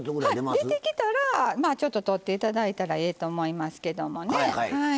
出てきたら取って頂いたらええと思いますけどもね。